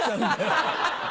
ハハハ！